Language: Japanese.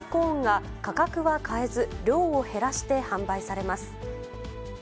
とんがりコーンが価格は変えず、量を減らして販売されます。